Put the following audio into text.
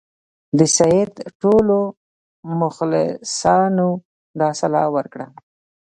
د سید ټولو مخلصانو دا سلا ورکړه.